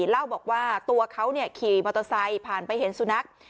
เล่าบอกว่าตัวเขาขี่มอเตอร์ไซค์ผ่านไปเห็นสุนัข